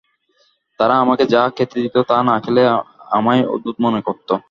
তারা আমাকে যা খেতে দিত, তা না খেলে আমায় অদ্ভুত মনে করত।